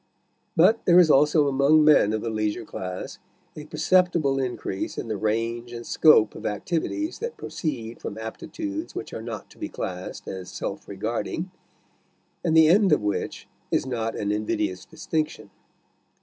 But there is also among men of the leisure class a perceptible increase in the range and scope of activities that proceed from aptitudes which are not to be classed as self regarding, and the end of which is not an invidious distinction.